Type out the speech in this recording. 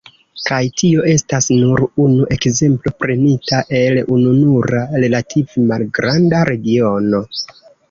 Kaj tio estas nur unu ekzemplo prenita el ununura relative malgranda regiono.